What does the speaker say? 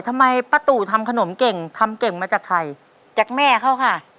ทำไมป้าตู่ทำขนมเก่งทำเก่งมาจากใครจากแม่เขาค่ะ